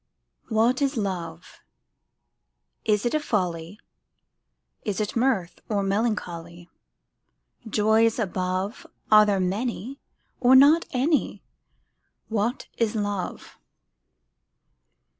WHAT is Love? Is it a folly, Is it mirth, or melancholy? Joys above, Are there many, or not any? What is Love?